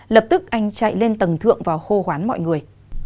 lập tức anh chạy lên tầng thượng vào hô hoán mọi người